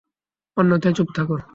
অন্যথায়, চুপ থাকো।